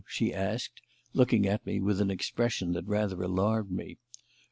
she asked, looking at me with an expression that rather alarmed me.